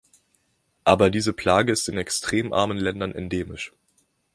Aber diese Plage ist in extrem armen Ländern endemisch.